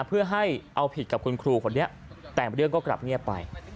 เพื่อให้เอาผิดกับคุณครูคนนี้แต่เรื่องก็กลับเงียบไป